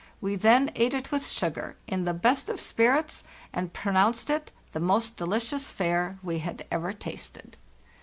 We then ate it with sugar, in the best of spirits, and pronounced it the most delicious fare we had ever tasted.